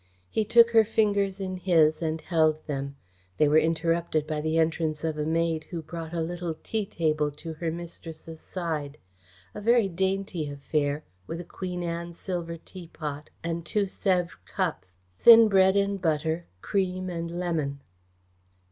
He took her fingers in his and held them. They were interrupted by the entrance of a maid who brought a little tea table to her mistress' side; a very dainty affair, with a Queen Anne silver teapot and two Sèvres cups, thin bread and butter, cream and lemon.